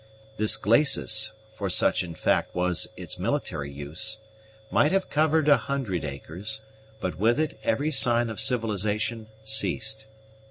This glacis, for such in fact was its military uses, might have covered a hundred acres; but with it every sign of civilization ceased.